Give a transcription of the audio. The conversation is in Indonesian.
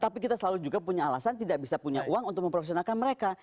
tapi kita selalu juga punya alasan tidak bisa punya uang untuk memprofesionalkan mereka